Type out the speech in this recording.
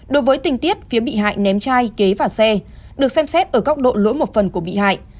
đối với tình tiết phía bị hại ném chai kế vào xe được xem xét ở góc độ lỗi một phần của bị hại